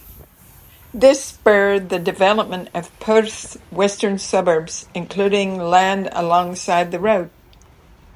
This spurred the development of Perth's western suburbs, including land alongside the road.